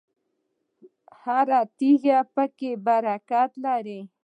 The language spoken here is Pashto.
هره تیږه پکې برکت لري.